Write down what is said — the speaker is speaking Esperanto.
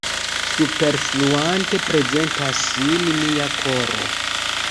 Superfluante prezentas sin mia koro.